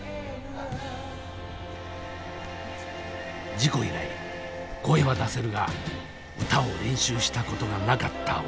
事故以来声は出せるが歌を練習したことがなかった俺。